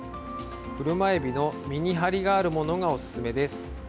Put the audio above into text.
クルマエビの身に張りがあるものがおすすめです。